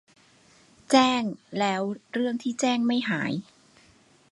แจ้งแล้วเรื่องที่แจ้งไม่หาย